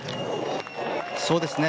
そうですね。